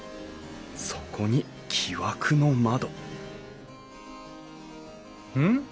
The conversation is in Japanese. そこに木枠の窓うん？